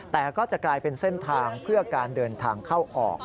แต่ก็จะกลายเป็นเส้นทางเพื่อการเดินทางเข้าออก